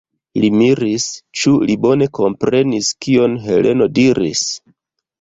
Li miris, ĉu li bone komprenis, kion Heleno diris.